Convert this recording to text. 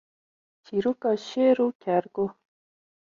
Çîroka Şêr û Kerguh